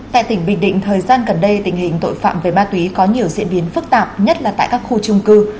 tại tỉnh bình định thời gian gần đây tình hình tội phạm về ma túy có nhiều diễn biến phức tạp nhất là tại các khu trung cư